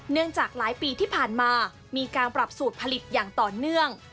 จากหลายปีที่ผ่านมามีการปรับสูตรผลิตอย่างต่อเนื่อง